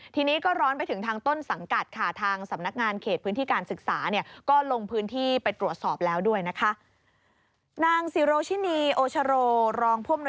ทีนี้ก็ร้อนไปถึงทางต้นสังกัด